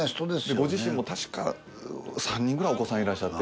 ご自身もたしか３人くらいお子さんいらっしゃって。